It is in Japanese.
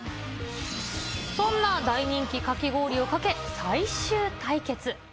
そんな大人気かき氷をかけ、最終対決。